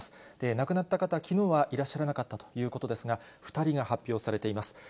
亡くなった方、きのうはいらっしゃらなかったということですが、２人が発表されています。